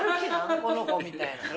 この子？みたいな。